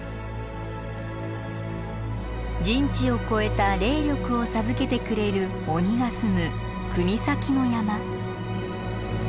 人知を超えた霊力を授けてくれる鬼が棲む国東の山。